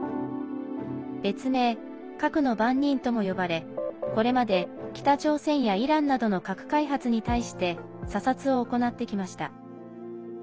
別名「核の番人」とも呼ばれこれまで北朝鮮やイランなどの核開発に対して査察を行ってきました。